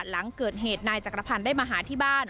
หลังเกิดเหตุนายจักรพันธ์ได้มาหาที่บ้าน